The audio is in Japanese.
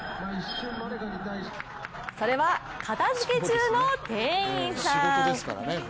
それは、片づけ中の店員さん。